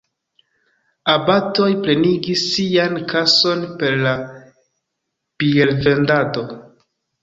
Abatoj plenigis sian kason per la biervendado.